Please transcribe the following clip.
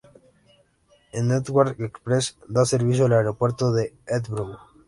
El Heathrow Express da servicio al aeropuerto de Heathrow.